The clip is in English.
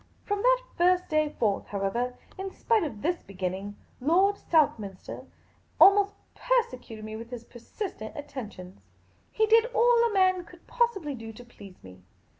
From that first day forth, however, in spite of this begin ning, Lord Southminster almost persecuted me with his per sistent attentions. He did all a man could possibly do to please me.